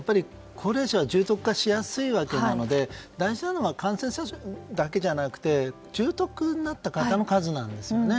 高齢者は重篤化しやすいわけですので大事なのは感染者数だけじゃなくて重篤になった方の数なんですよね。